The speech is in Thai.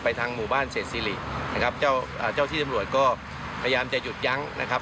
ไปทางหมู่บ้านเศรษฐศิรินะครับเจ้าที่จำรวจก็พยายามจะหยุดยั้งนะครับ